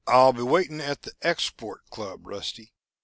"I'll be waiting at the Export Club, Rusty.